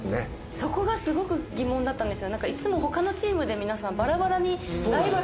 そこがすごく疑問だったんですよ。